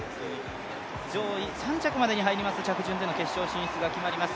上位３着までに入りますと、着順での準決勝進出が決まります。